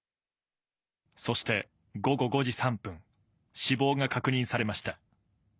そして午後５時３分、死亡が確認されました。